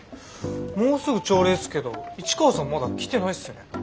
もうすぐ朝礼っすけど市川さんまだ来てないっすね。